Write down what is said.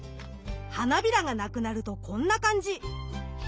花びらが無くなるとこんな感じ！